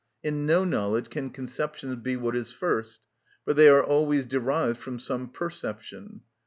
In no knowledge can conceptions be what is first; for they are always derived from some perception.